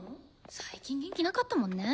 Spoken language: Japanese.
最近元気なかったもんね。